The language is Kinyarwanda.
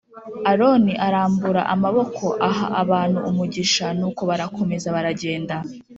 Aroni arambura amaboko aha abantu umugisha nuko barakomeza baragenda.